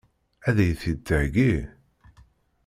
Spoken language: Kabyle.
Ad iyi-t-id-theggi?